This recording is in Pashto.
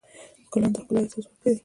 ګلان د ښکلا احساس ورکوي.